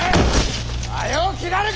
早う斬らぬか！